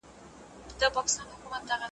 تر څو به جهاني لیکې ویده قام ته نظمونه ,